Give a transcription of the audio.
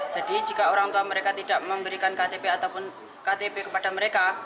jadi jika orang tua mereka tidak memberikan ktp ataupun ktp kepada mereka